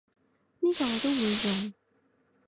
呢個我都會用